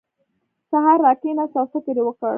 سهار راکېناست او فکر یې وکړ.